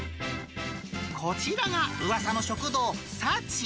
こちらがうわさの食堂、幸。